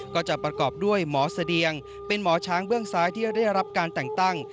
ก็จะประกอบด้วยหมอเสดียงเป็นหมอช้างเบื้องซ้ายที่ได้รับการแต่งตั้ง